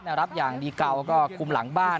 แย์แร็ปอย่างดีกังก็กุมหลังบ้าน